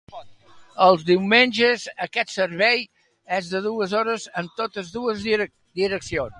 Els diumenges, aquest servei és de dues hores en totes dues direccions.